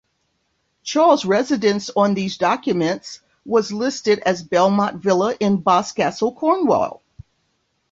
Charles' residence on these documents was listed as Belmont Villa in Boscastle, Cornwall.